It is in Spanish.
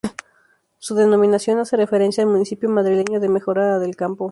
Su denominación hace referencia al municipio madrileño de Mejorada del Campo.